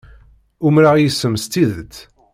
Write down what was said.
Umreɣ yes-m s tidet.